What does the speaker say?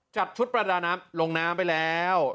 จัดชุดประดาน้ำลงน้ำไปแล้ว